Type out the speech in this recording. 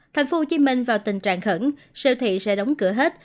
tp hcm vào tình trạng khẩn siêu thị sẽ đóng cửa hết